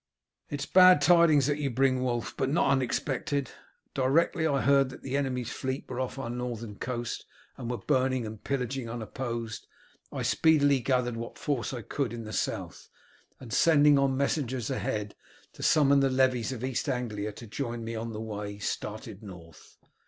"It is bad tidings that you bring, Wulf, but not unexpected. Directly I heard that the enemy's fleet were off our northern coast and were burning and pillaging unopposed, I speedily gathered what force I could in the South, and sending on messengers ahead to summon the levies of East Anglia to join me on the way, started north.